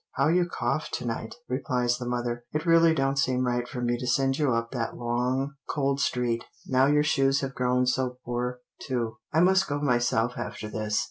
How you cough to night!" replies the mother; "it really don't seem right for me to send you up that long, cold street; now your shoes have grown so poor, too; I must go myself after this."